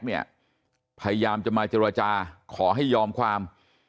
พยายามจะมาเจรจาขอให้ยอมความ